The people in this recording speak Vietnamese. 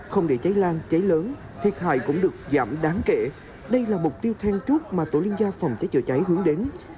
không để cháy lan cháy lớn thiệt hại cũng được giảm đáng kể đây là mục tiêu then chốt mà tổ liên gia phòng cháy chữa cháy hướng đến